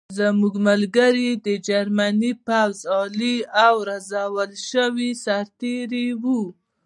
زموږ ملګري د جرمني پوځ عالي او روزل شوي سرتېري وو